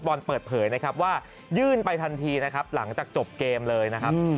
เปิดเผยนะครับว่ายื่นไปทันทีนะครับหลังจากจบเกมเลยนะครับ